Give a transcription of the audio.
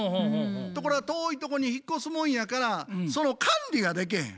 ところが遠いとこに引っ越すもんやからその管理がでけへん。